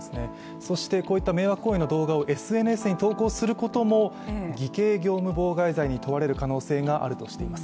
そして、こういった迷惑動画をＳＮＳに投稿することも偽計業務妨害罪に問われる可能性があるとしています。